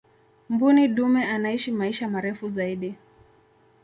mbuni dume anaishi maisha marefu zaidi